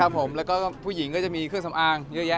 ผู้หญิงก็จะมีเครื่องสำอางเยอะแยะ